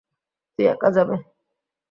তুই একা যাবে।